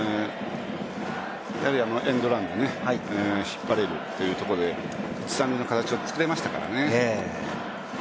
エンドランで引っ張れるというところで一・三塁の形を作れましたからね。